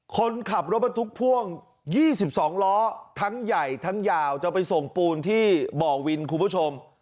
คนขับรถบรรทุกพ่วง๒๒ล้อทั้งใหญ่ทั้งยาวจะไปส่งปูนที่บ่อวินคุณผู้ชม